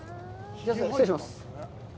失礼します。